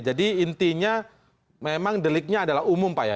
jadi intinya memang deliknya adalah umum pak ya